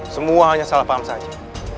semua hanya salah paham saja